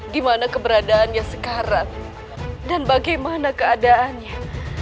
di mana keberadaannya sekarang dan bagaimana keadaannya